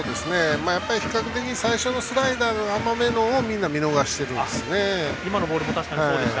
比較的に最初のスライダー、甘めをみんな見逃しているんですね。